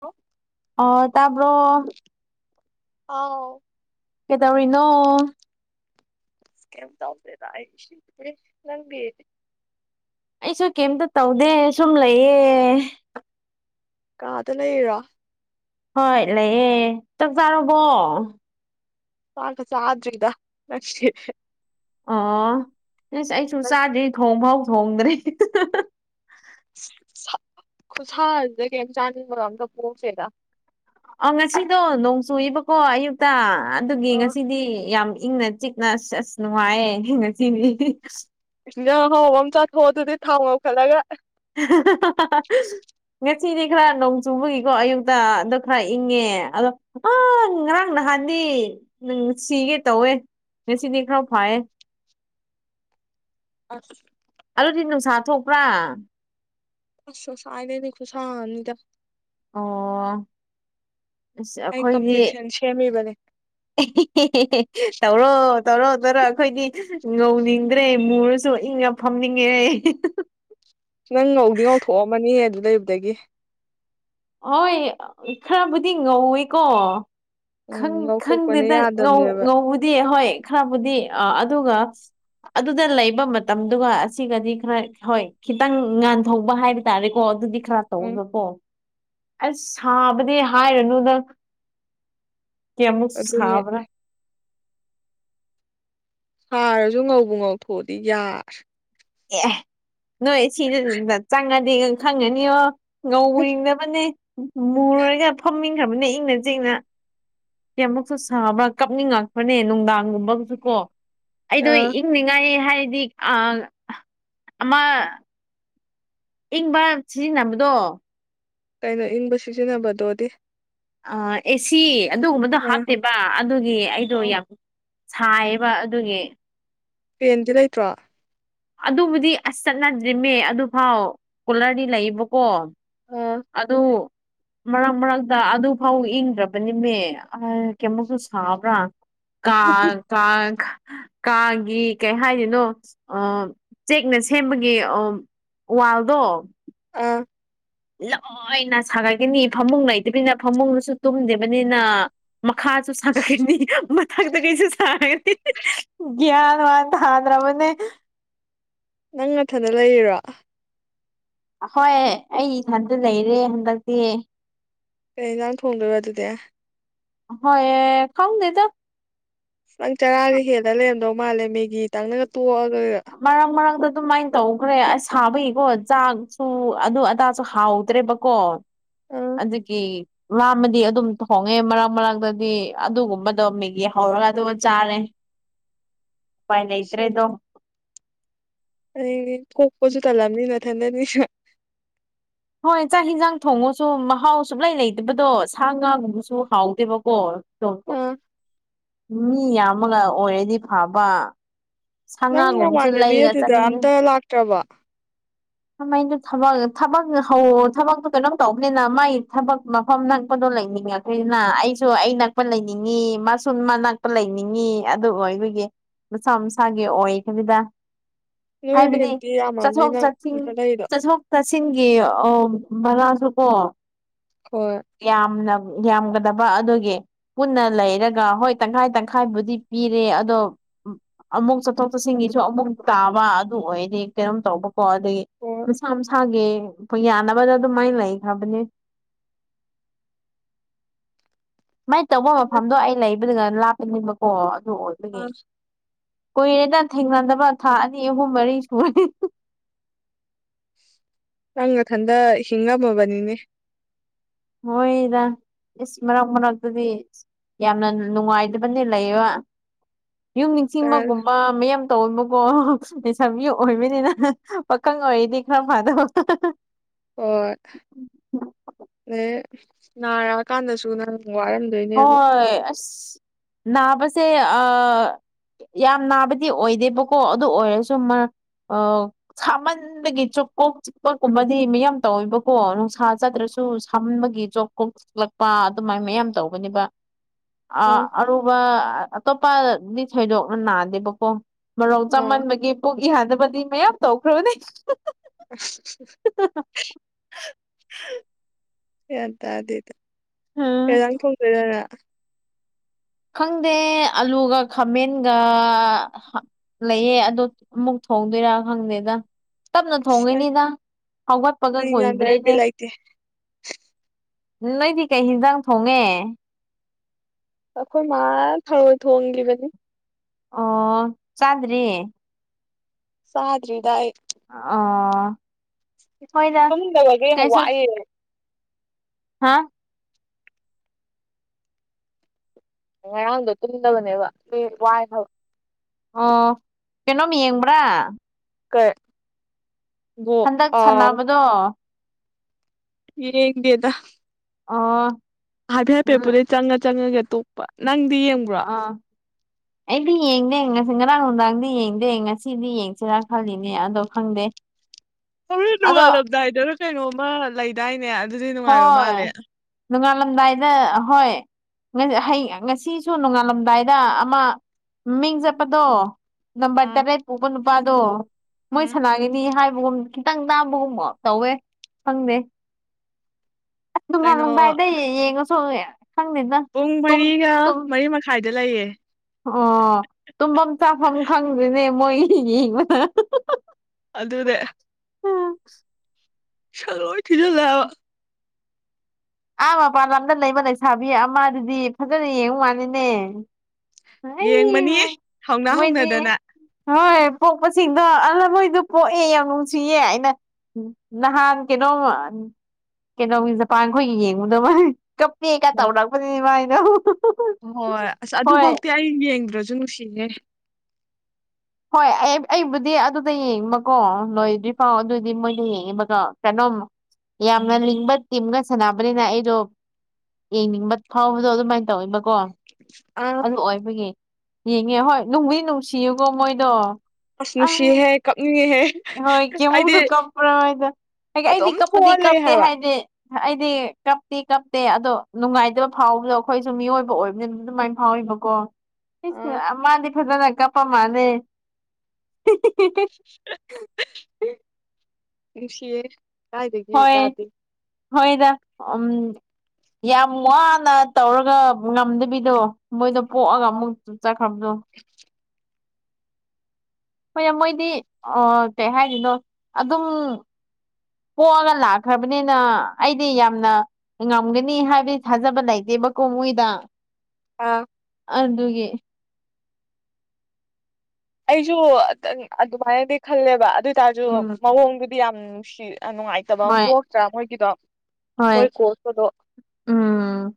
Hello ꯑ ꯇꯕ ꯑꯥꯎ ꯀꯩꯗꯧꯔꯤꯅꯣ ꯀ ꯇꯧꯗꯦꯗꯁꯤ ꯂꯪꯕꯤ ꯁꯁꯨ ꯀꯩꯝꯇ ꯇꯧꯗꯦ ꯁꯨꯝ ꯂꯩꯌꯦꯦ ꯀꯥꯗ ꯂꯩꯔꯣ ꯍꯣꯏ ꯂꯩꯌꯦꯦ ꯆꯥꯛ ꯆꯥꯔꯕꯣ ꯄꯥ ꯀ ꯆ꯭ꯔꯗ ꯅꯁꯦ ꯑꯁ ꯑꯩꯁꯨ ꯅꯪ ꯆꯥꯗ꯭ꯔꯤ ꯊꯣꯡꯐꯥꯎ ꯊꯣꯡꯗ꯭ꯔꯦ ꯈꯨꯠꯁꯥꯁꯤꯗ ꯀꯩꯝ ꯆꯥꯅꯤꯡꯕꯣ ꯑꯝꯇ ꯄꯣꯛꯁꯦꯗ ꯑ ꯉꯁꯤꯗꯣ ꯅꯣꯡ ꯆꯨꯏꯕꯀꯣ ꯑꯌꯨꯛꯇ ꯑꯗꯨꯒꯤ ꯑꯣ ꯉꯁꯤꯗꯤ ꯌꯥꯝ ꯏꯪꯅ ꯆꯤꯛꯅ ꯑꯁ ꯑꯁ ꯅꯨꯡꯉꯥꯏꯌꯦ ꯉꯁꯤꯗꯤ ꯏ ꯍꯥꯎꯕ ꯑꯃꯆꯥꯥꯊꯣꯛꯑ ꯑꯗꯨꯗꯤ ꯊꯥꯎ ꯉꯧꯈꯠꯂꯒ [unintelligible] ꯉꯁꯤꯗꯤ ꯈꯔ ꯅꯣꯡ ꯆꯨꯕꯒꯤꯀꯣ ꯑꯌꯨꯛꯇ ꯑꯗꯣ ꯈꯔ ꯏꯪꯉꯦ ꯑꯗꯣ ꯑꯪ ꯉꯔꯥꯡ ꯅꯍꯥꯟ ꯍꯥꯏꯗꯤ ꯁꯤꯒꯦ ꯇꯧꯋꯦ ꯉꯁꯤꯗꯤ ꯈꯔ ꯐꯌꯦ ꯑ ꯑꯗꯨꯜꯂꯗꯤ ꯅꯨꯡꯁꯥ ꯊꯣꯛꯄ꯭ꯔꯥ ꯑꯁꯁꯥꯏꯗꯗꯤ ꯈꯨꯨꯁꯍꯥꯅꯤꯗ ꯑꯣ ꯑ ꯑꯩ ꯑꯩꯈꯣꯏꯗꯤ ꯑꯦ ꯀꯝꯄ꯭ꯂꯦꯛꯁꯟ ꯁꯦꯝꯃꯤꯕꯅꯦ ꯇꯧꯔꯣ ꯇꯧꯔꯣ ꯇꯧꯔꯣ ꯑꯩꯈꯣꯏꯗꯤ ꯉꯧꯅꯤꯡꯗ꯭ꯔꯦ ꯃꯨꯔꯁꯨ ꯏꯪꯉ ꯐꯝꯅꯤꯡꯉꯦ ꯅꯪ ꯉꯧꯗꯤ ꯉꯧꯊꯣꯛꯑꯝꯃꯅꯤ ꯑꯗꯨ ꯂꯩꯕꯗꯒꯤ ꯍꯣꯏ ꯈꯔꯕꯨꯗꯤ ꯉꯧꯏꯤꯀꯣ ꯎꯝ ꯪ ꯈꯪꯗꯦ ꯉꯧꯊꯣꯛꯄꯅꯦ ꯅꯪ ꯌꯥꯗꯕꯅꯦꯕ ꯉꯧꯕꯗꯤ ꯍꯣꯏ ꯈꯔꯕꯨꯗꯤ ꯑ ꯑꯗꯨꯒ ꯑꯗꯨꯗ ꯂꯩꯕ ꯃꯇꯝꯗꯨꯒ ꯑꯁꯤꯒꯗꯤ ꯈꯔ ꯍꯣꯏ ꯈꯤꯇꯪ ꯉꯥꯟꯊꯣꯛꯧꯕ ꯍꯥꯏꯕ ꯇꯥꯔꯦꯀꯣ ꯑꯗꯨꯗꯤ ꯈꯥ ꯎꯝ ꯇꯧꯕꯀꯣ ꯑꯁ ꯁꯥꯕꯗꯤ ꯍꯥꯏꯔꯨꯅꯨꯗꯪ ꯀꯌꯥꯃꯨꯛ ꯑꯗꯨꯅꯦ ꯁꯕꯅ ꯁꯥꯔꯁꯨ ꯉꯧꯕ ꯉꯧꯊꯣꯛꯑꯗꯤ ꯌꯥꯔꯦ ꯑꯦ ꯅꯣꯏ ꯁꯤꯅ ꯆꯪꯉꯗꯦ ꯈꯪꯉꯅꯤꯌꯣ ꯉꯧꯤꯅꯕꯅꯦ ꯃꯨꯔꯨꯔꯒ ꯐꯝꯃꯤꯈ꯭ꯔꯕꯅꯦ ꯏꯪꯅ ꯆꯤꯡꯅ ꯦ ꯑꯃꯨꯛꯁꯨ ꯁꯥꯕ꯭ꯔꯥ ꯀꯞꯅꯤꯡꯉꯛꯄ꯭ꯔꯅꯦ ꯅꯨꯡꯗꯥꯡꯒꯨꯝꯕꯒꯁꯨ ꯀꯣ ꯑ ꯑꯩꯗꯣ ꯏꯪꯅꯤꯡꯉꯥꯏ ꯍꯥꯏꯔꯗꯤ ꯑꯃ ꯏꯪꯕ ꯁꯤꯖꯤꯟꯅꯕꯗꯣ ꯀꯩꯅꯣ ꯏꯪꯕ ꯁꯤꯖꯤꯟꯅꯕꯗꯣꯗꯤ ꯑꯦꯁꯤ ꯑꯗꯨꯒꯨꯝꯕꯗꯣ ꯑ ꯍꯥꯞꯇꯦꯕ ꯑꯗꯨꯒꯤ ꯑꯩꯗꯣ ꯑꯣ ꯌꯥꯝ ꯁꯥꯏꯕ ꯑꯗꯨꯒꯤ ꯄꯦꯟꯗꯤ ꯂꯩꯇ꯭ꯔꯣ ꯑꯗꯨꯕꯨꯗꯤ ꯑꯁ ꯆꯠꯅꯗ꯭ꯔꯤꯃꯦ ꯑꯗꯨꯐꯥꯎ ꯀꯨꯂꯔꯗꯤ ꯂꯩꯌꯦꯕꯀꯣ ꯑꯥ ꯑꯗꯨ ꯃꯔꯛ ꯃꯔꯛꯇ ꯑꯗꯨꯐꯥꯎ ꯏꯪꯗ꯭ꯔꯕꯅꯤꯃꯦ ꯀꯩꯃꯛꯇ ꯁꯥꯕ꯭ꯔꯥ ꯀꯥ ꯀꯥ ꯀꯥꯒꯤ ꯀꯩ ꯍꯥꯏꯗꯅꯣ ꯑ ꯆꯦꯛꯅ ꯁꯦꯝꯕꯒꯤ ꯑ ꯋꯥꯜꯗꯣ ꯑꯥ ꯂꯣꯏꯅ ꯁꯥꯒꯠꯈꯤꯅꯤ ꯐꯃꯨꯡ ꯂꯩꯇꯕꯅꯤꯅ ꯐꯃꯨꯡꯗꯨꯁꯨ ꯇꯨꯝꯗꯦꯕꯅꯤꯅ ꯃꯈꯥꯁꯨ ꯁꯥꯒꯠꯈꯤꯅꯤ ꯃꯊꯛꯇ ꯀꯩꯁꯨ ꯁꯥ ꯟ ꯋꯥ ꯇ ꯍꯗ꯭ꯔ ꯃꯅꯦ ꯅꯪ ꯃꯊꯗ ꯂꯩꯔꯤꯔꯣ ꯍꯣꯏ ꯑꯩ ꯏꯊꯟꯇ ꯂꯩꯔꯦ ꯍꯟꯗꯛꯇꯤ ꯀꯩ ꯏꯥꯡ ꯊꯣꯡꯗꯣꯏꯔꯣ ꯑꯗꯨꯗꯤ ꯍꯣꯏ ꯈꯥꯎꯗꯦꯗ ꯅꯪ ꯆꯔꯥꯒ ꯍꯦꯜꯂ ꯂꯩꯔꯝꯗꯧ ꯃꯥꯜꯂꯦ ꯃꯦꯒꯤ ꯇꯪꯅꯒ ꯇꯣꯛꯑꯒꯔ ꯃꯔꯛ ꯃꯔꯛꯇ ꯑꯗꯨꯃꯥꯏꯅ ꯇꯧꯈ꯭ꯔꯦ ꯑꯁ ꯁꯥꯕꯒꯤꯀꯣ ꯆꯥꯛꯁꯨ ꯑꯗꯨ ꯑꯗꯥꯁꯨ ꯍꯥꯎꯗ꯭ꯔꯦꯕꯀꯣ ꯑꯥ ꯑꯗꯨꯗꯒꯤ ꯋꯥꯃꯗꯤ ꯑꯗꯨꯝ ꯊꯣꯡꯉꯦ ꯃꯔꯛ ꯃꯔꯛꯛꯇꯗꯤ ꯑꯗꯨꯒꯨꯝꯕꯗꯣ ꯃꯦꯒꯤ ꯍꯧ ꯍꯧꯔꯒ ꯑꯗꯨ ꯆꯥꯔꯦ [inaudible] ꯄꯥꯏꯩꯅ ꯏꯇꯩꯗꯣ ꯑ ꯀꯣ ꯀꯣꯁꯨ ꯇ ꯂꯝꯅꯤ ꯅ ꯊꯟꯗꯅꯤꯁꯨ ꯍꯣꯏ ꯆꯥꯛ ꯌꯦꯟꯖꯥꯡ ꯊꯣꯡꯉꯁꯨ ꯃꯍꯥꯎ ꯁꯨꯡꯂꯩ ꯂꯩꯇꯕꯗꯣ ꯁꯥ ꯉꯥꯒꯨꯝꯕꯁꯨ ꯍꯥꯎꯗꯦꯕꯀꯣ ꯑꯇꯣꯞꯄ ꯑꯥ ꯃꯤ ꯌꯥꯝꯃꯒ ꯑꯣꯏꯔꯗꯤ ꯐꯕ ꯁꯥ ꯅꯪ ꯉꯥꯒꯨꯝꯕꯁꯨ ꯅꯃꯥꯟꯅꯕꯤ ꯂꯩꯔꯒ ꯑꯗꯨꯗ ꯆꯥꯅꯤꯡꯉꯦ ꯑꯝꯇ ꯂꯥꯛꯇ꯭ꯔꯕ ꯀꯃꯥꯏꯗꯨ ꯊꯕꯛ ꯊꯕꯛ ꯊꯕꯛꯇꯣ ꯀꯩꯅꯣꯝ ꯇꯧꯕꯅꯤꯅ ꯃꯥꯏ ꯊꯕꯛ ꯃꯐꯝ ꯅꯛꯄꯗꯣ ꯂꯩꯅꯤ ꯅꯤꯡꯉꯛꯈꯣꯏꯁꯤꯅ ꯑꯩꯁꯨ ꯑꯩ ꯅꯛꯄ ꯂꯩꯅꯤꯡꯉꯤ ꯃꯁꯨ ꯃꯥ ꯅꯛꯄ ꯂꯩꯅꯤꯡꯉꯤ ꯑꯗꯨꯕꯒꯤ ꯃꯁꯥ ꯃꯁꯥꯒꯤ ꯑꯣꯏ ꯀꯕꯤꯗ ꯅꯣꯏ ꯍꯥꯏꯕꯗꯤ ꯔꯦꯟꯇꯤ ꯌꯥꯝꯃꯝꯅꯤ ꯆꯠꯊꯣꯛ ꯅꯪ ꯆꯠ ꯅꯊꯟ ꯂꯩꯔꯤꯗꯣ ꯆꯠꯊꯣꯛ ꯆꯠꯁꯤꯟꯒꯤ ꯀ ꯑ ꯃꯅꯥꯁꯨ ꯀꯣ ꯍꯣꯏ ꯌꯥꯃꯅꯒ ꯌꯥꯝꯒꯗꯕ ꯑꯗꯨꯒꯤ ꯄꯨꯟꯅ ꯂꯩꯔꯒ ꯍꯣꯏ ꯇꯪꯈꯥꯏ ꯇꯪꯈꯥꯏꯕꯨꯗꯤ ꯄꯤꯔꯦ ꯑꯗꯣ ꯑꯃꯨꯛ ꯆꯠꯊꯣꯛ ꯆꯠꯁꯤꯟꯒꯤꯁꯨ ꯑꯃꯨꯛ ꯇꯥꯕ ꯑꯗꯨ ꯑꯣꯏꯔꯗꯤ ꯀꯩꯅꯣꯝ ꯇꯧꯕ ꯀꯣ ꯑꯗꯨꯗꯒꯤ ꯑꯣ ꯃꯁꯥ ꯃꯁꯥꯒꯤ ꯑꯣꯏ ꯌꯥꯅꯕꯗ ꯑꯗꯨꯃꯥꯏꯅ ꯂꯩꯈ꯭ꯔꯕꯅꯦ ꯁꯨꯃꯥꯏꯅ ꯇꯧꯕ ꯃꯐꯝꯗꯣ ꯑꯩ ꯂꯩꯕꯗꯨꯒ ꯂꯥꯞꯄꯅꯤꯡꯕꯀꯣ ꯑꯗꯨ ꯑꯣꯏꯕꯒꯤ ꯑꯥ ꯀꯨꯏꯔꯦꯅ ꯊꯦꯡꯅꯅꯕ ꯊꯥ ꯑꯅꯤ ꯑꯍꯨꯝ ꯃꯔꯤ ꯁꯨꯔꯦ ꯅꯪ ꯃꯊꯟꯗ ꯍꯤꯡꯉꯝꯃꯕꯅꯤꯅꯦ ꯍꯣꯏꯗꯁ ꯃꯔꯥꯡ ꯃꯔ ꯑꯗꯨꯗꯤ ꯌꯥꯝꯅ ꯅꯨꯡꯉꯥꯏꯇꯕꯅꯦ ꯂꯩꯕ ꯌꯨꯝ ꯈꯔ꯫ ꯅꯤꯡꯁꯤꯡꯕꯒꯨꯝꯕ ꯃꯌꯥꯝ ꯇꯧꯕꯨꯀꯣ ꯂꯩꯩꯁꯥꯕꯤ ꯑꯣꯏꯕꯅꯤꯅ ꯄꯥꯈꯪ ꯑꯣꯏꯔꯤꯗꯤ ꯈꯔ ꯐꯥꯗꯕ ꯍꯣꯏ ꯑ ꯅꯥꯔꯛꯑꯀꯥꯟꯗꯁꯨ ꯅꯪ ꯋꯥꯔꯝꯗꯣꯏꯅꯦꯕ ꯍꯣꯏ ꯑꯁ ꯅꯕꯁꯦ ꯑꯁ ꯌꯥꯝ ꯅꯥꯕꯗꯤ ꯑꯣꯏꯗꯦꯕꯀꯣ ꯑꯗꯨ ꯑꯣꯏꯔꯁꯨ ꯑ ꯁꯥꯃꯟꯗꯒꯤ ꯆꯣꯀꯣꯛ ꯆꯤꯄꯣꯛꯀꯨꯝꯕꯗꯤ ꯃꯌꯥꯝ ꯇꯧꯋꯦꯕꯀꯣ ꯅꯨꯡꯁꯥ ꯆꯥꯗ꯭ꯔꯁꯨ ꯁꯨ ꯁꯝꯕꯒꯤ ꯖꯣꯕ ꯀꯣꯛꯂꯛꯄ ꯑꯗꯨꯃꯥꯏꯅ ꯃꯌꯥꯝ ꯇꯧ ꯕ ꯑꯥ ꯑꯔꯨꯕ ꯑꯇꯣꯞꯄꯗꯤ ꯊꯣꯏꯗꯣꯛꯅ ꯅꯥꯗꯦꯕꯀꯣ ꯃꯔꯣꯛ ꯑꯥ ꯆꯥꯃꯟꯕꯒꯤ ꯄꯨꯛ ꯏ ꯌꯥꯗꯕꯗꯤ ꯃꯌꯥꯝ ꯇꯧ ꯈ [inaudible] ꯌꯥ ꯇꯗꯗꯤꯗ ꯎꯝ ꯀꯩꯗꯪ ꯊꯣꯡꯗꯗꯔ ꯈꯪꯗꯦ ꯑꯂꯨꯒ ꯈꯥꯃꯦꯟꯒ ꯂꯩꯌꯦ ꯑꯣ ꯑꯃꯨ ꯁꯣꯡꯗꯣꯏꯔꯥ ꯈꯪꯗꯦꯗ ꯇꯞꯅ ꯑꯁ ꯅꯪ ꯊꯣꯡꯉꯤꯅꯤꯗ ꯍꯧꯒꯠꯄꯒ ꯅꯪ ꯏꯟꯖꯥꯡ ꯂꯩꯔꯛ ꯀꯨꯏꯗ꯭ꯔꯦꯅꯦ ꯕꯤꯠ ꯂꯩꯇꯦ ꯎ ꯅꯣꯏꯗꯤ ꯀꯩ ꯌꯦꯤꯟꯖꯥꯡ ꯊꯣꯡꯉꯦ ꯑꯩꯈꯣꯏ ꯃꯥ ꯊꯔꯣꯏ ꯊꯣꯡꯈꯤꯕꯅꯤ ꯑꯣ ꯆꯥꯟꯗ꯭ꯔꯤ ꯁꯥꯗ꯭ꯔꯤꯗꯥꯏ ꯑꯥ ꯇꯨꯝꯗꯕꯒ ꯋꯥꯏꯌꯦ ꯍꯥꯥ ꯉꯔꯥꯡꯗꯣ ꯇꯨꯝꯗꯕꯅꯦꯕ ꯋꯥꯏ ꯑꯣ ꯀꯅꯣꯝ ꯌꯦꯡꯕ꯭ꯔꯥ ꯀ ꯍꯟꯗꯛ ꯑꯥ ꯁꯥꯟꯅꯕꯗꯣ ꯌꯦꯡꯗꯤꯗ ꯑ ꯍꯥꯏꯐꯦꯠ ꯍꯥꯏꯐꯦꯠ ꯄꯨꯂꯩ ꯆꯪꯉ ꯆꯪꯉꯒꯦ ꯑꯇꯣꯞꯄ ꯅꯪꯗꯤ ꯌꯦꯡꯕ꯭ꯔꯣ ꯑꯥ ꯑꯩꯗꯤ ꯌꯦꯡꯗꯦ ꯉꯁꯤ ꯉꯔꯥꯡ ꯅꯨꯡꯗꯥꯡꯗꯤ ꯌꯦꯡꯗꯦ ꯉꯁꯤꯗꯤ ꯌꯦꯡꯁꯤꯔꯥ ꯈꯜꯂꯤꯅꯦ ꯑꯗꯣ ꯈꯪꯗꯦ ꯍꯣꯔ ꯑꯗꯣ ꯂꯨꯉꯥꯜꯂꯝꯗꯥꯏꯗꯅ ꯀꯩꯅꯣꯝꯃ ꯂꯩꯗꯥꯏꯅꯦ ꯑꯗꯨꯗꯤ ꯅꯨꯡꯉꯥꯏꯕ ꯍꯣꯏ ꯃꯥꯜꯂꯦ ꯅꯣꯡꯉꯥꯜꯂꯝꯗꯥꯏꯗ ꯑꯍꯣꯏ ꯍꯌꯦꯡ ꯉꯁꯤꯁꯨ ꯅꯣꯡꯉꯥꯜꯂꯝꯗꯥꯏꯗ ꯑꯃ ꯃꯤꯡ ꯆꯠꯄꯗꯣ ꯅꯝꯕꯔ ꯑꯥ ꯇꯔꯦꯠ ꯄꯨꯣꯛꯕ ꯅꯨꯄꯥꯗꯣ ꯃꯣꯏ ꯎꯝ ꯁꯅꯥꯒꯤꯅꯤ ꯍꯥꯏꯕꯒꯨꯝ ꯈꯤꯇꯪ ꯇꯥꯕꯒꯨꯝꯕ ꯇꯧꯋꯦ ꯈꯪꯗꯦ ꯀꯩꯅꯣ ꯑꯗꯨꯗꯥꯏꯗ ꯌꯦꯡꯉ ꯁꯣ ꯄꯨꯡ ꯃꯔꯤꯒ ꯃꯔꯤ ꯃꯈꯥꯏꯗ ꯂꯩꯌꯦ ꯑꯣ ꯇꯨꯝꯐꯝ ꯆꯥꯐꯝ ꯈꯪꯗ꯭ꯔꯤꯅꯦ ꯃꯣꯏ ꯌꯦꯡꯕꯗ ꯑꯗꯨꯗꯦ ꯎꯝ ꯆꯂꯣ ꯊꯤꯁ ꯑꯥ ꯃꯄꯥꯟ ꯂꯝꯗ ꯂꯩꯕ ꯂꯩꯁꯥꯕꯤ ꯑꯃ ꯑꯗꯨꯗꯤ ꯐꯖꯅ ꯌꯦꯡꯉꯨ ꯃꯥꯅꯤꯅꯦ ꯑ ꯌꯦꯡꯕꯅꯤ ꯍꯧꯅ ꯃꯣꯏꯗꯤ ꯍꯧꯅꯗꯅ ꯍꯣꯏ ꯄꯣꯛꯄꯁꯤꯡꯗꯣ ꯑꯜꯃꯣꯏꯗꯣ ꯄꯣꯛꯑꯦ ꯌꯥꯝ ꯅꯨꯡꯁꯤꯌꯦ ꯍꯥꯏꯅ ꯅꯍꯥꯟ ꯀꯩꯅꯣ ꯀꯩꯅꯣꯖꯄꯥꯟ ꯑꯩꯈꯣꯏꯒꯤ ꯌꯦꯡꯉꯨꯗ ꯃꯥ ꯀꯞꯄꯦ ꯀ ꯑꯣ ꯇꯧꯔꯛꯄꯅꯤꯅꯦ ꯃꯥꯥꯏꯅꯣ ꯍꯣꯏ ꯑꯁ ꯑꯗꯨꯐꯧꯇꯤ ꯑꯩ ꯌꯦꯡꯗ꯭ꯔꯁꯨ ꯅꯨꯡꯁꯤꯌꯦꯦ ꯍꯣꯏ ꯑꯩ ꯑꯩꯕꯨꯗꯤ ꯑꯗꯨꯗ ꯌꯦꯡꯕꯀꯣ ꯂꯣꯏꯗ꯭ꯔꯤ ꯐꯥꯎ ꯑꯗꯨꯑꯣꯏꯗꯤ ꯃꯣꯏꯗ ꯌꯦꯡꯉꯤꯕꯒ ꯀꯩꯅꯣ ꯌꯥꯝꯅ ꯎꯝ. ꯅꯤꯡꯕ ꯇꯤꯝꯒ ꯁꯥꯟꯅꯕꯅꯤꯅ ꯑꯩꯗꯣ ꯌꯦꯡꯅꯤꯡꯕ ꯐꯥꯎꯕꯗꯣ ꯑꯗꯨꯃꯥꯏꯅ ꯇꯧꯋꯕꯀꯣ ꯑꯥ ꯑꯗꯨ ꯑꯣꯏꯕꯒꯤ ꯌꯦꯡꯉꯦ ꯍꯣꯏ ꯅꯨꯡꯕꯨꯗꯤ ꯅꯨꯡꯁꯤꯌꯨꯀꯣ ꯃꯣꯏꯗꯣ ꯑ ꯑꯁꯃꯨꯁꯤ ꯍ ꯀꯞꯅꯤ ꯍ ꯍꯣꯏ ꯀꯦꯃꯨꯁꯨ ꯀꯞꯄ꯭ꯔꯣ ꯍꯥꯏꯗ ꯍꯥꯏꯗꯤ ꯑꯗꯨꯝ ꯑꯩꯗꯤ ꯊꯣꯛꯑ ꯀꯞꯄꯗꯤ ꯂꯩ ꯀꯞꯇꯦ ꯍꯥꯏꯕ ꯍꯥꯏꯗꯤ ꯑꯩꯗꯤ ꯀꯞꯇꯦ ꯀꯞꯇꯦ ꯑꯗꯣ ꯅꯨꯡꯉꯥꯏꯇꯕ ꯐꯥꯎꯕꯗꯣ ꯑꯩꯈꯣꯏꯁꯨ ꯃꯤꯑꯣꯏꯕ ꯑꯣꯏꯕꯅꯤꯅ ꯑꯗꯨꯃꯥꯏꯅ ꯐꯥꯎ ꯑꯥ ꯑꯣꯏꯕꯀꯣꯁꯤꯅ ꯃꯥꯗꯤ ꯐꯖꯅ ꯀꯞꯄ ꯃꯥꯜꯂꯦ ꯏꯦ ꯍꯣꯏ ꯍꯣꯏꯗ ꯎꯝ ꯌꯥꯝ ꯋꯥꯅ ꯇꯧꯔꯒ ꯉꯝꯗꯕꯤꯗꯣ ꯃꯣꯏꯗ ꯄꯣꯛꯑꯒ ꯑꯃꯨꯛ ꯆꯠꯈ꯭ꯔꯕꯗꯨꯣ ꯍꯣꯏ ꯃꯣꯏꯗꯤ ꯀꯩ ꯍꯥꯏꯔꯤꯅꯣ ꯑꯗꯨꯝ ꯄꯣꯛꯑꯒ ꯂꯥꯛꯈ꯭ꯔꯕꯅꯤꯅ ꯑꯩꯗꯤ ꯌꯥꯝꯅ ꯉꯝꯒꯅꯤ ꯍꯥꯏꯕꯒꯤ ꯊꯥꯖꯕ ꯂꯩꯇꯦ ꯕꯀꯣ ꯃꯣꯏꯗ ꯑꯥ ꯑꯗꯨꯒꯤ ꯑꯩꯁꯨ ꯑꯗꯨꯃꯥꯏꯅꯗꯤ ꯈꯜꯂꯦꯕ ꯑꯗꯨ ꯑꯣꯏ ꯇꯔꯁꯨ ꯎꯝ ꯃꯑꯣꯡꯗꯨꯗꯤ ꯌꯥꯝ ꯅꯨꯡꯁꯤ ꯌꯥꯝ ꯅꯨꯡꯉꯥꯏꯇꯕ ꯑꯃ ꯍꯣꯏ ꯀꯣꯛꯇ꯭ꯔꯥ ꯃꯣꯏꯒꯤꯗꯣ ꯃꯣꯏ ꯍꯣꯏ ꯀꯣꯔꯁꯇꯗꯣ [unintelligible] ꯎꯝ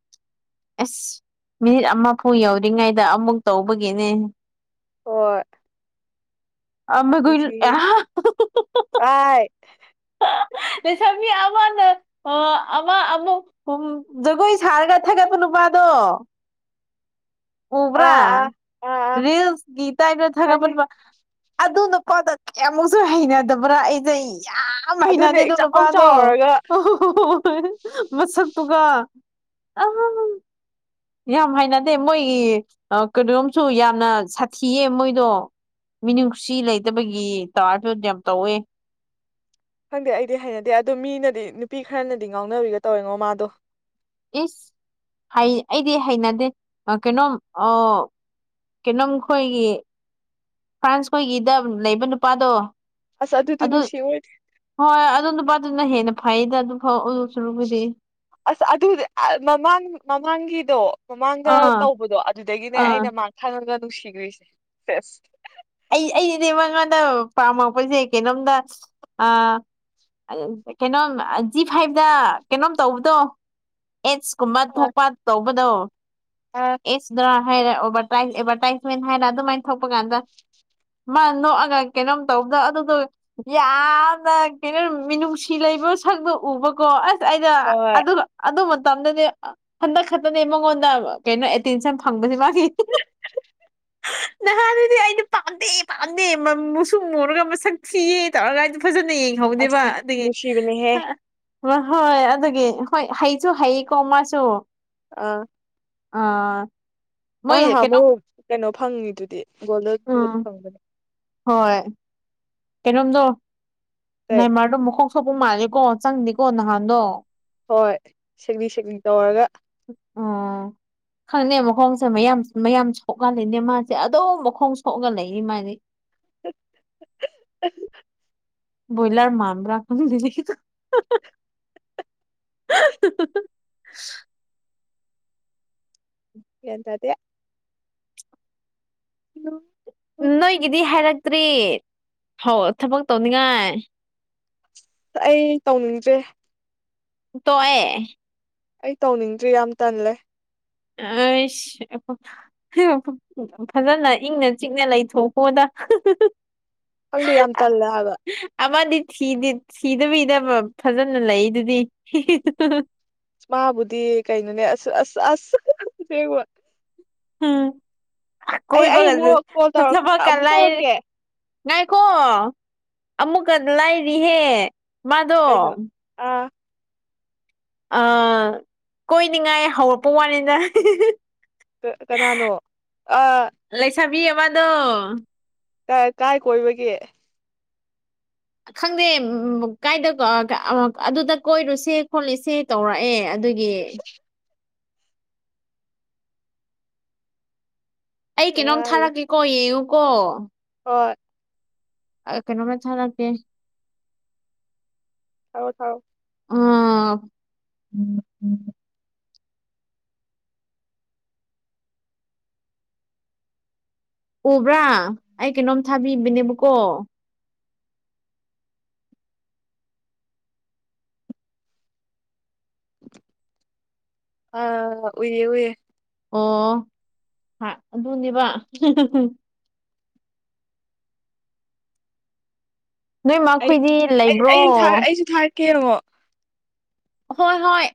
ꯑꯁ ꯃꯤꯅꯤꯠ ꯑꯃꯐꯥꯎ ꯌꯧꯗꯔꯤꯉꯩꯗ ꯑꯃꯨꯛ ꯇꯧꯕꯒꯤꯅꯦ ꯑꯣ ꯑ ꯃꯒ ꯑꯥꯏ ꯂꯩꯁꯕꯤ ꯑꯃꯅ ꯑꯃ ꯑꯃꯨꯛ ꯖꯒꯣꯏ ꯁꯥꯔꯒ ꯊꯥꯒꯠꯄꯅ ꯕꯥꯗ ꯎꯕ꯭ꯔꯥ ꯑꯥ ꯑꯥ ꯑꯥ ꯑꯥ ꯔꯤꯜꯁ ꯒꯤ ꯇꯥꯏꯅ ꯈꯪꯉꯦ ꯊꯥꯒꯠꯃꯟꯕ ꯑꯗꯨꯅ ꯀꯣꯗ ꯀꯌꯥꯃꯨꯛꯁꯨ ꯍꯩꯅꯗꯕ꯭ꯔꯥ ꯑꯩꯁ ꯌꯥꯝ ꯑꯗꯨꯅꯦ ꯍꯩꯅꯅꯦꯗꯣ ꯏꯆꯥꯎ ꯅꯨꯄꯥꯗꯣ ꯆꯥꯎꯔꯒ ꯍ ꯍꯣ ꯍꯣꯣꯏ ꯃꯁꯛꯇꯨꯒ ꯑ ꯑ ꯌꯥꯝ ꯍꯥꯏꯅꯗꯦ ꯃꯣꯏꯒꯤ ꯀꯩꯅꯣꯣꯝꯁꯨ ꯌꯥꯝꯅ ꯁꯥꯊꯤꯌꯦ ꯃꯣꯏꯗꯣ ꯃꯤꯅꯨꯡꯁꯤ ꯂꯩꯇꯕꯒꯤ ꯇꯥꯔꯁꯨ ꯑꯗꯨ ꯌꯥꯝ ꯇꯧꯋꯦ ꯈꯪꯗꯦ ꯑꯩꯗꯤ ꯍꯩꯅꯗꯦ ꯑꯗꯨꯣ ꯃꯤꯅꯗꯤ ꯅꯨꯄꯤ ꯈꯔꯅꯗꯤ ꯉꯥꯎꯅꯕꯤꯒ ꯇꯧꯋꯦꯉꯣ ꯃꯥꯗꯣ ꯏꯁꯁ ꯑꯩꯗꯤ ꯍꯩꯅꯗꯦ ꯀꯩꯅꯣꯝ ꯀꯩꯅꯣꯝ ꯈꯣꯏꯒꯤ ꯐ꯭ꯔꯥꯟꯁ ꯈꯣꯏꯒꯤꯗ ꯂꯩꯕ ꯅꯨꯄꯥꯗꯣ ꯑꯁ ꯑꯗꯨꯗꯤ ꯑꯗꯨ ꯅꯨꯡꯁꯤ ꯑꯣꯏꯗꯦ ꯍꯣꯏ ꯑꯗꯨ ꯅꯨꯄꯥꯗꯨꯅ ꯍꯦꯟꯅ ꯐꯩꯗ ꯑꯗꯨꯝ ꯑꯁ ꯑꯗꯨꯗꯤ ꯃꯃꯥꯡ ꯃꯃꯥꯡꯒꯤꯗꯣ ꯃꯃꯥꯡꯗ ꯑꯥ ꯇꯧꯕꯗꯣ ꯑꯗꯨꯗꯒꯤꯅꯦ ꯑꯥ ꯑꯩꯅ ꯃꯥꯡ ꯊꯥꯡꯉꯒ ꯅꯨꯡꯁꯤꯈ꯭ꯔꯤꯁꯦꯁ ꯑꯩ ꯑꯩ ꯏꯗꯤ ꯃꯉꯥꯗ ꯄꯥꯝꯃꯛꯄꯁꯦ ꯀꯩꯅꯣꯝꯗ ꯑ ꯀꯩꯅꯣꯝ ꯖꯤ ꯐꯥꯏꯚꯇ ꯀꯩꯅꯣꯝ ꯇꯧꯕꯗꯣ ꯑꯦꯠꯁꯀꯨꯝꯕ ꯑ ꯊꯣꯛꯄ ꯇꯧꯕꯗꯣ ꯑ ꯑꯦꯠꯁꯇ꯭ꯔꯥ ꯍꯥꯏꯔꯚꯔꯇ ꯑꯦꯗꯚꯔꯇꯥꯏꯁꯃꯦꯟ ꯍꯥꯏꯔ ꯑꯗꯨꯃꯥꯏꯅ ꯊꯣꯛꯄ ꯀꯥꯟꯗ [inaudible] ꯃꯥ ꯅꯣꯛꯑꯒ ꯀꯩꯅꯣꯝ ꯇꯧꯕꯗ ꯑꯗꯨꯗꯣ ꯌꯥꯝꯅ ꯀꯩꯅꯣ ꯃꯤꯅꯨꯡꯁꯤ ꯂꯩꯕ ꯁꯛꯗꯣ ꯎꯕꯀꯣ ꯑꯁ ꯍꯣꯏ ꯑꯩꯅ ꯃꯇꯝꯗꯅꯦ ꯍꯟꯗꯛ ꯈꯛꯇꯅꯦ ꯃꯉꯣꯟꯗ ꯀꯩꯅꯣ ꯑꯦꯇꯦꯟꯁꯟ ꯐꯪꯕꯁꯤ ꯃꯥꯒꯤ ꯅꯍꯥꯟ ꯑꯗꯨꯗꯤꯗꯤ ꯄꯥꯟꯗꯦ ꯄꯥꯟꯗꯦ ꯃꯨꯁꯨꯝ ꯃꯣꯨꯔꯒ ꯃꯁꯛ ꯊꯤꯌꯦꯦ ꯇꯧꯔꯒꯗ ꯐꯖꯅ ꯀꯟꯅ ꯌꯦꯡꯍꯧꯅꯦꯦꯕ ꯑꯁꯤ ꯑꯗꯒꯤ ꯅꯨꯡꯁꯤꯕꯅꯦꯍꯦ ꯍ ꯍꯣꯏ ꯑꯗꯨꯒꯤ ꯍꯣꯏ ꯍꯩꯁꯨ ꯍꯩꯀꯣ ꯃꯥꯁꯨ ꯑꯥ ꯑꯥ ꯃꯣꯏ ꯃꯥꯅꯍꯥꯟ ꯀꯩꯅꯣꯝ ꯃꯣꯔꯣꯛ ꯀꯩꯅꯣ ꯐꯪꯉꯤꯗꯨꯗꯤ ꯒꯣꯜꯗꯟ ꯨꯠ ꯎꯝ ꯐꯪꯕꯅꯦ ꯍꯣꯏ ꯀꯩꯅꯣꯝꯗꯣ ꯀꯩ ꯅꯥꯏꯃꯔꯗ ꯃ ꯊꯣꯛꯄ ꯃꯥꯜꯂꯦꯀꯣ ꯆꯪꯅꯤꯦꯀꯣ ꯅꯍꯥꯟꯗꯣ ꯍꯣꯏ ꯁꯦꯛꯅꯤꯡ ꯁꯦꯛꯅꯤꯡ ꯇꯧꯔꯒ ꯑꯣ ꯈꯪꯗꯦ ꯃꯈꯣꯡꯁꯦ ꯃꯌꯥꯝ ꯃꯌꯥꯝ ꯁꯣꯛꯍꯜꯂꯤꯅꯦ ꯃꯥꯁꯦ ꯑꯗꯨꯝ ꯃꯈꯣꯡ ꯁꯣꯛꯅ ꯂꯩꯅꯤ ꯃꯥꯗꯤ [inaudible] ꯣꯌꯂꯔ ꯃꯥꯟꯕ꯭ꯔ ꯈ ꯂꯤ [inaudible] ꯌꯦꯗꯗꯦ ꯎ ꯅꯣꯏꯒꯤꯗꯤ ꯍꯥꯏꯔꯛꯇ꯭ꯔꯤ ꯍꯣ ꯊꯕꯛ ꯇꯧꯅꯤꯡꯉꯥꯏ ꯑꯩ ꯇꯧꯅꯤꯡꯗ꯭ꯔꯦ ꯇꯑ ꯑꯩ ꯇꯧꯅꯤꯡꯗ꯭ꯔꯤ ꯌꯥꯝ ꯇꯜꯂꯦ ꯑꯁ ꯐꯖꯅ ꯏꯪꯅ ꯆꯤꯛꯅ ꯂꯩꯊꯣꯛꯄꯣꯗ [inaudible] ꯈꯪꯗꯤ ꯌꯥꯝ ꯇꯜꯂꯦ ꯍꯥꯏꯒ ꯁꯤꯗꯕꯤꯗꯕ ꯐꯖꯅ ꯂꯩꯗꯨꯗꯤ ꯃꯥꯕꯨꯗꯤ ꯀꯩꯅꯅꯦ ꯑꯁ ꯑꯁ ꯑꯁ ꯎꯝ ꯀ ꯑꯩ ꯑꯩ ꯀꯖꯦ ꯑꯃꯨꯛ ꯀꯣꯜ ꯇꯧꯔꯛ ꯇꯄ ꯑꯃꯨꯛ ꯀꯂꯥꯏꯔ ꯇꯧꯔꯛꯀꯦ ꯉꯥꯏꯈꯣ ꯑꯃꯨꯛꯀ ꯂꯥꯏꯔꯤꯍꯦ ꯃꯥꯗꯣ ꯀꯩꯅꯣ ꯑꯥ ꯑꯥ ꯀꯣꯏꯅꯤꯡꯉꯥꯏ ꯍꯧꯔꯛꯄ ꯋꯥꯅꯤꯅ ꯀꯅꯥꯅꯣ ꯑ ꯊꯕꯤ ꯑꯋꯥꯗꯣ ꯀ ꯀꯥꯏ ꯀꯣꯏꯕꯒꯦ ꯈꯪꯗꯦ ꯀꯥꯏꯗ ꯑꯗꯨꯗ ꯀꯣꯏꯔꯨꯁꯦ ꯈꯣꯠꯂꯤꯁꯦ ꯇꯧꯔꯛꯑꯦ ꯑꯗꯨꯗꯒꯤ ꯑꯩ ꯀꯩꯅꯣꯝ ꯌꯥꯔꯤ ꯊꯥꯔꯛꯀꯦꯀꯣ ꯌꯦꯡꯉꯨꯀꯣ ꯍꯣꯏ ꯀꯩꯅꯣꯝꯃ ꯊꯥꯔꯀꯦ ꯊꯥꯎꯣ ꯊꯥꯎꯣ ꯑꯣꯥ ꯎꯝ ꯎꯝ ꯎꯕ꯭ꯔꯥ ꯑꯩ ꯀꯩꯅꯣꯝ ꯊꯥꯕꯤꯕꯅꯦꯕꯀꯣ ꯑꯥ ꯎꯏꯦ ꯑꯣꯏꯏꯌꯦꯦ ꯑꯣ ꯑꯗꯨꯅꯦꯕ ꯅꯣꯏ ꯑꯩ ꯃꯈꯣꯏꯗꯤ ꯂꯩꯕ꯭ꯔꯣ ꯑꯩ ꯑꯩꯁꯨ ꯊꯥꯔꯛꯀꯦꯡꯉꯣ ꯍꯣꯏ ꯍꯣꯏ